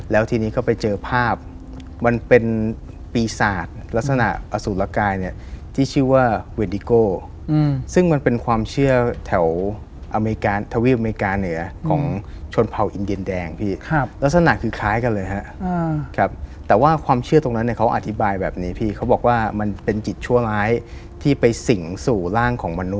แล้วทีนี้ก็ไปเจอภาพมันเป็นปีศาจลักษณะอสูตรละกายเนี่ยที่ชื่อว่าเวนดิโกซึ่งมันเป็นความเชื่อแถวอเมริกาทวีปอเมริกาเหนือของชนเผ่าอินดินแดงพี่ลักษณะคือคล้ายกันเลยฮะครับแต่ว่าความเชื่อตรงนั้นเนี่ยเขาอธิบายแบบนี้พี่เขาบอกว่ามันเป็นจิตชั่วร้ายที่ไปสิ่งสู่ร่างของมนุษ